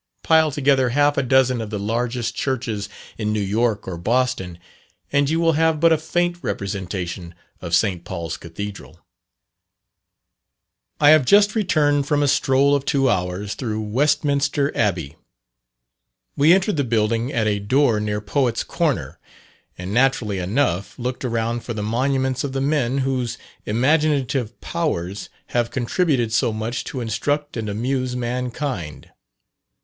Pile together half a dozen of the largest churches in New York or Boston, and you will have but a faint representation of St. Paul's Cathedral. I have just returned from a stroll of two hours through Westminster Abbey. We entered the building at a door near Poets' Corner, and, naturally enough, looked around for the monuments of the men whose imaginative powers have contributed so much to instruct and amuse mankind.